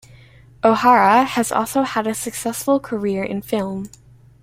O'Hara has also had a successful career in film.